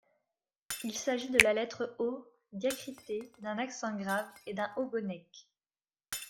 Il s’agit de la lettre O diacritée d’un accent grave et d’un ogonek.